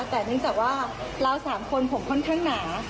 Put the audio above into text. แต่เนื่องจากว่าเรา๓คนผมค่อนข้างหนา